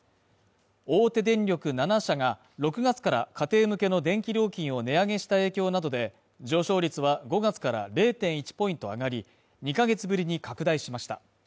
大手電力７社が６月から家庭向けの電気料金を値上げした影響などで上昇率は５月から０．１ポイント上がり、２ヶ月ぶりに拡大しました。